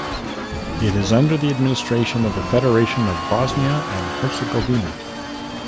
It is under the administration of the Federation of Bosnia and Herzegovina.